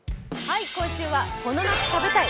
今週は「この夏食べたい！